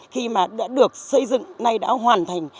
khi mà đã được xây dựng nay đã hoàn thành